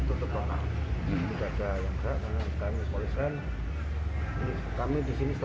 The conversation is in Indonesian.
jadi untuk wahana tempat sementara karena ada perjanjian kemarin ditutup total